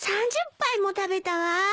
３０杯も食べたわ。